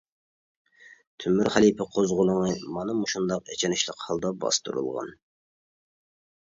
تۆمۈر خەلىپە قوزغىلىڭى مانا مۇشۇنداق ئېچىنىشلىق ھالدا باستۇرۇلغان.